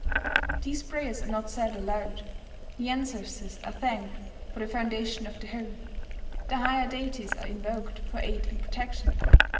These prayers are not said aloud. The ancestors are thanked for the foundation of the home; the higher deities are invoked for aid and protection